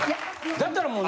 だったらもう。